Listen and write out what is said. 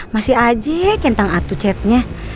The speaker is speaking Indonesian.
masih aja ya centang atu chatnya